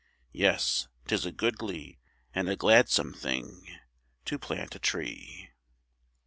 Yes, 'tis a goodly, and a gladsome thing To plant a tree.